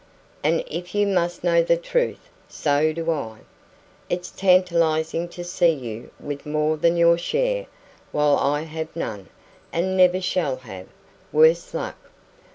"And if you must know the truth, so do I. It's tantalising to see you with more than your share, while I have none and never shall have, worse luck!